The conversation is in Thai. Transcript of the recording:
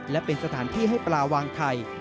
และเป็นสถานที่ให้ปลาวางไข่